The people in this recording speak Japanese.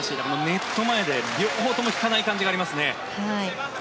ネット前で両方とも引かない感じがあります。